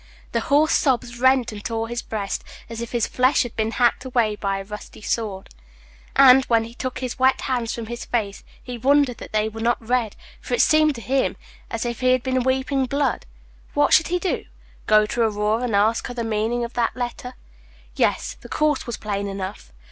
The hoarse sobs rent and tore his breast as if his flesh had been hacked by a rusty sword; and, when he took his wet hands from his face, he wondered that they were not red, for it seemed to him as if he had been weeping blood. What should he do? Page 44 Go to Aurora, and ask her the meaning of that letter? Yes; the course was plain enough.